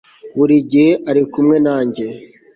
buri gihe ari kumwe nanjye